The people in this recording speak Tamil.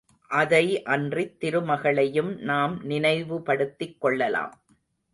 அதை அன்றித் திருமகளையும் நாம் நினைவுபடுத்திக் கொள்ளலாம்.